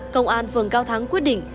công an phường cao thắng quyết định